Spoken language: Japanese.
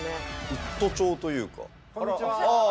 ウッド調というか。